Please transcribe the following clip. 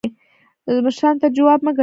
مشرانو ته جواب مه ګرځوه